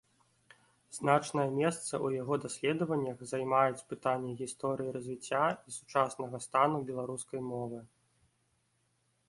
Значнае месца ў яго даследаваннях займаюць пытанні гісторыі развіцця і сучаснага стану беларускай мовы.